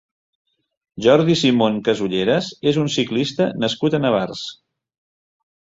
Jordi Simón Casulleras és un ciclista nascut a Navars.